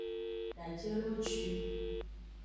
Daje lo juin.